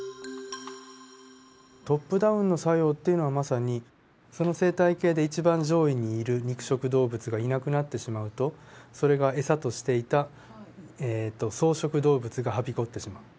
トップダウンの作用っていうのはまさにその生態系で一番上位にいる肉食動物がいなくなってしまうとそれが餌としていた草食動物がはびこってしまう。